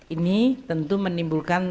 ini tentu menimbulkan